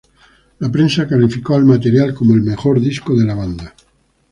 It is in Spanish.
La prensa calificó al material como "el mejor disco de la banda".